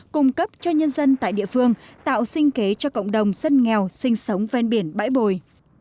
cung cấp cho nhân dân tại địa phương tạo sinh kế cho cộng đồng dân nghèo sinh sống ven biển bãi bồi